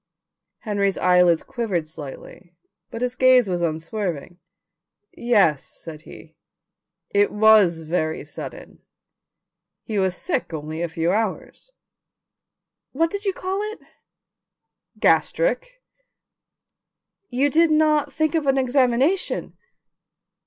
Henry's eyelids quivered slightly but his gaze was unswerving. "Yes," said he; "it was very sudden. He was sick only a few hours." "What did you call it?" "Gastric." "You did not think of an examination?"